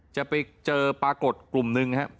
จะไปเจอปรากฏกลุ่มหนึ่งนะครับ